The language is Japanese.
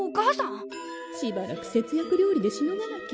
しばらく節約料理でしのがなきゃ。